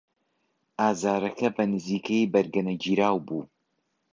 ئازارەکە بەنزیکەیی بەرگەنەگیراو بوو.